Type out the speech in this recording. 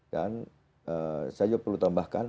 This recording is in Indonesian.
dan saya juga perlu tambahkan